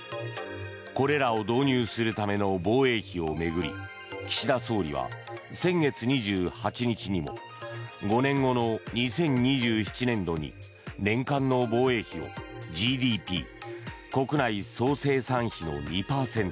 これらを導入するための防衛費を巡り岸田総理は先月２８日にも５年後の２０２７年度に年間の防衛費をＧＤＰ・国内総生産比の２％